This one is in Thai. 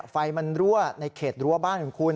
ไฟมันรั่วในเขตรั้วบ้านของคุณ